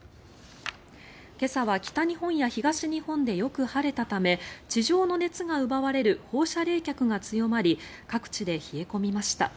今朝は北日本や東日本でよく晴れたため地上の熱が奪われる放射冷却が強まり各地で冷え込みました。